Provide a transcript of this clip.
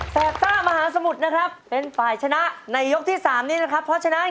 แสบซ่ามหาสมุทรนะครับเป็นฝ่ายชนะในยกที่๓นี้นะครับเพราะฉะนั้น